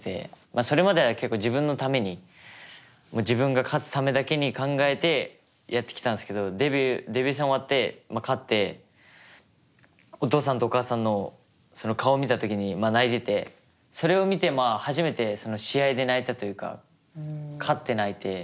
それまでは結構自分のために自分が勝つためだけに考えてやってきたんですけどデビュー戦終わって勝ってお父さんとお母さんの顔見た時に泣いててそれを見て初めて試合で泣いたというか勝って泣いて。